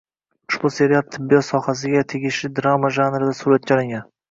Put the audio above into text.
Ushbu serial tibbiyot sohasiga tegishli drama janrida suratga olingan